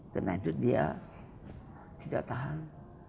karena itu dia tidak tahan